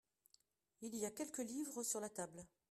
Il y a quelques livres sur la table.